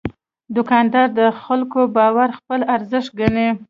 دوکاندار د خلکو باور خپل ارزښت ګڼي.